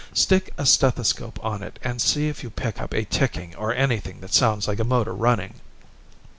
Stick a stethoscope on it and see if you pick up a ticking or anything that sounds like a motor running."